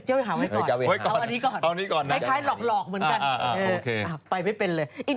เจ้าวิหาไว้ก่อนเอาอันนี้ก่อน